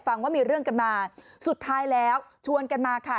ฟังว่ามีเรื่องกันมาสุดท้ายแล้วชวนกันมาค่ะ